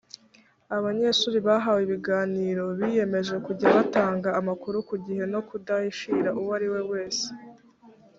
abanyeshuri bahawe ibiganiro biyemeje kujya batanga amakuru ku gihe no kudahishira uwo ariwe wese